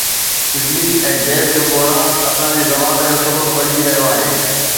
بجلي ۽ گئس جو بحران اسان جي زوال جو سبب بڻجي رهيو آهي